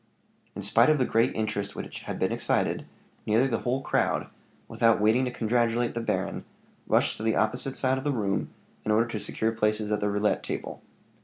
In spite of the great interest which had been excited, nearly the whole crowd, without waiting to congratulate the baron, rushed to the opposite side of the room in order to secure places at the roulette table.